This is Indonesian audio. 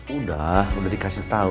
udah udah dikasih tau